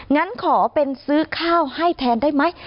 งั้นขอเป็นซื้อข้าวให้แทนได้ไหม